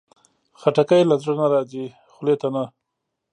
خټکی له زړه نه راځي، خولې ته نه.